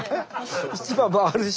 市場もあるし。